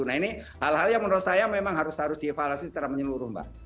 nah ini hal hal yang menurut saya memang harus dievaluasi secara menyeluruh mbak